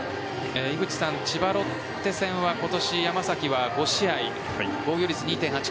千葉ロッテ戦は今年、山崎は５試合、防御率２．８９。